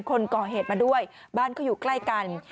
คนก่อเหตุมาด้วยบ้านเขาอยู่ใกล้กัน